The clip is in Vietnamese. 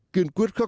hai mục tiêu